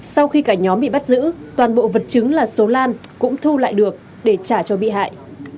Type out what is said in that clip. sau khi cả nhóm bị bắt giữ toàn bộ vật chứng là số lan cũng thu lại được để trả cho bị hại